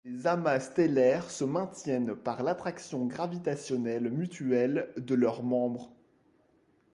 Les amas stellaires se maintiennent par l'attraction gravitationnelle mutuelle de leurs membres.